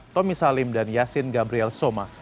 tommy salim dan yasin gabriel soma